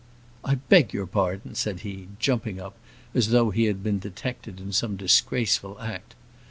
"I beg your pardon," said he, jumping up as though he had been detected in some disgraceful act.